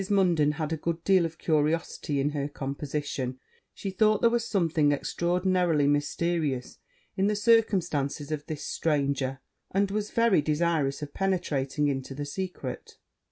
Munden had a good deal of curiosity in her composition; she thought there was something extraordinarily mysterious in the circumstances of this stranger; and was very desirous of penetrating into the secret.